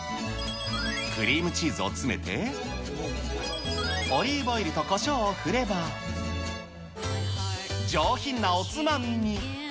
クリームチーズを詰めて、オリーブオイルとこしょうを振れば、上品なおつまみに。